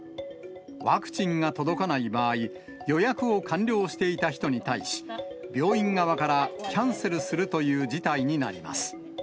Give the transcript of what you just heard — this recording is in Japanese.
ワクチンが届かない場合、予約を完了していた人に対し、病院側からキャンセルするという事態になります。